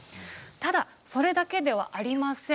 ただ、それだけではありません。